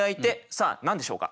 さあ何でしょうか。